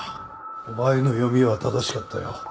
お前の読みは正しかったよ。